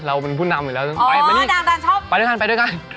เรามันพูดนามอยู่แล้วไปด้วยกัน